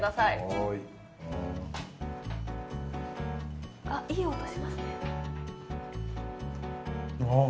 はいあっいい音しますねああ